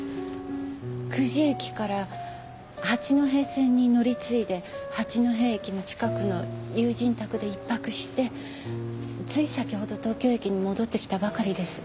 久慈駅から八戸線に乗り継いで八戸駅の近くの友人宅で１泊してつい先ほど東京駅に戻ってきたばかりです。